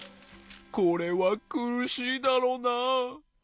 これはくるしいだろうなあ。